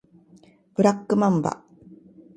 ブラックマンバ